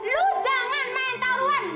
lo jangan main taruhan